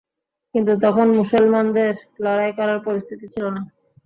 কিন্তু তখন মুসলমানদের লড়াই করার পরিস্থিতি ছিল না।